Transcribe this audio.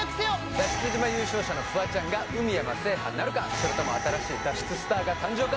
脱出島優勝者のフワちゃんがそれとも新しい脱出スターが誕生か？